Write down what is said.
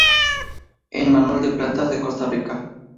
En: Manual de Plantas de Costa Rica.